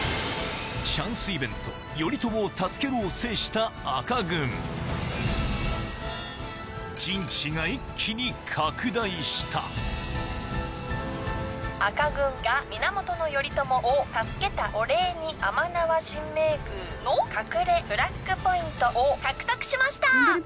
チャンスイベント「頼朝を助けろ」を制した赤軍陣地が一気に拡大した赤軍が源頼朝を助けたお礼に甘縄神明宮の隠れフラッグポイントを獲得しました。